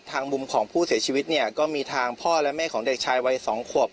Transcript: มุมของผู้เสียชีวิตเนี่ยก็มีทางพ่อและแม่ของเด็กชายวัยสองขวบ